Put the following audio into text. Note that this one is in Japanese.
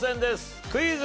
クイズ。